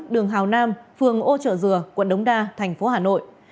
đường hào nam phường ô trợ dừa quận đống đa thành phố hà nội